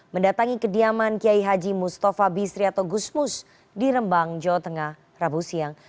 mendatangi kediaman kiai haji mustafa bisri atau gusmus di rembang jawa tengah rabu siang